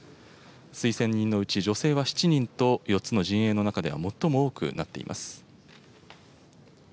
推薦人のうち女性は７人と４つの陣営の中では最も多くなっています。